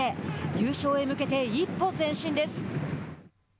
優勝へ向けて一歩前進です。